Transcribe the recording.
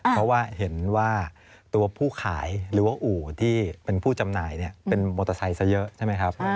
เพราะว่าเห็นว่าตัวผู้ขายหรือว่าอู่ที่เป็นผู้จำหน่ายเป็นมอเตอร์ไซค์ซะเยอะใช่ไหมครับ